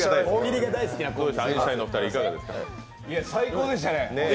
最高でしたね。